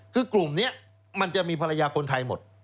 คือกลุ่มนี้มันจะมีภรรยาคนไทยหมด